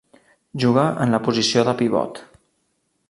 Juga en la posició de pivot.